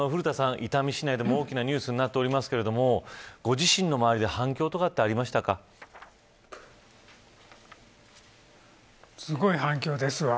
伊丹市内でも大きなニュースとなっておりますけどもご自身の周りですごい反響ですわ。